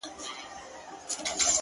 ستا د مخ له اب سره ياري کوي!